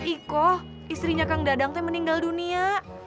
iqoh istrinya kang dadang teh meninggal dunia